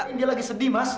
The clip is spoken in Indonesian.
ini dia lagi sedih mas